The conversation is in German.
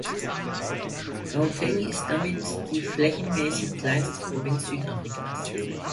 Gauteng ist damit die flächenmäßig kleinste Provinz Südafrikas.